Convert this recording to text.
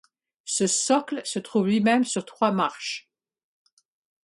Ce socle se trouve lui-même sur trois marches.